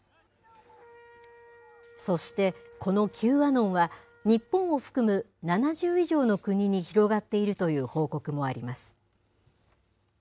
そしてこのＱアノンは、日本を含む７０以上の国に広がっているという報告もあります。